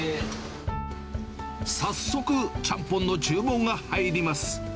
早速、ちゃんぽんの注文が入ります。